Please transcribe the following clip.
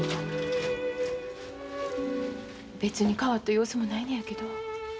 別に変わった様子もないのやけど。